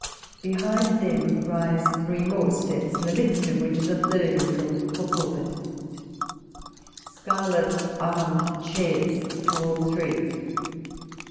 Be hind them rise three more steps, in the midst of which is a third eagle for pulpit. Scarlet armed chairs to all three.